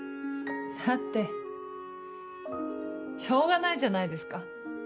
だってしょうがないじゃないですか。